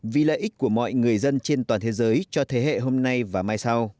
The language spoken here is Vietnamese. vì lợi ích của mọi người dân trên toàn thế giới cho thế hệ hôm nay và mai sau